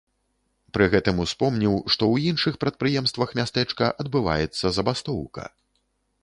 Пры гэтым успомніў, што ў іншых прадпрыемствах мястэчка адбываецца забастоўка.